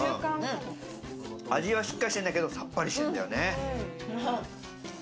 味はしっかりしてるんだけど、さっぱりしてるんだよね。